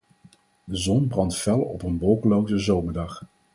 De zon brandt fel op een wolkenloze zomerdag.